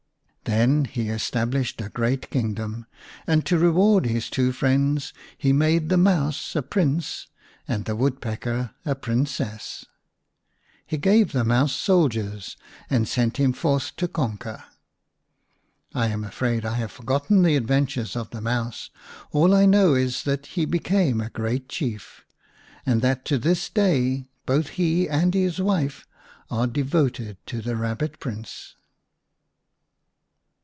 Then he established a great kingdom, and to reward his two friends he made the Mouse a Prince and the Woodpecker a Princess. He gave the Mouse soldiers and sent him forth to conquer. I am afraid I have forgotten the adventures of the Mouse. All I know is that he became a great Chief, and that to this day both he and his wife are devoted to the Rabbit Prince.